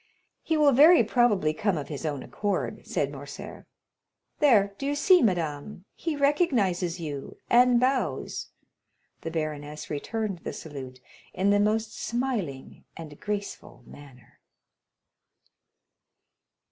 "He will very probably come of his own accord," said Morcerf. "There; do you see, madame, he recognizes you, and bows." The baroness returned the salute in the most smiling and graceful manner.